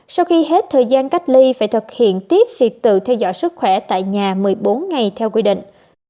sau khi hết thời gian cách ly phải thực hiện tiếp việc tự theo dõi sức khỏe tại nhà một mươi bốn ngày theo quy định